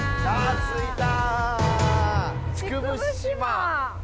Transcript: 着いた！